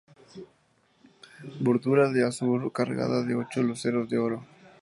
Bordura de azur, cargada de ocho luceros de oro.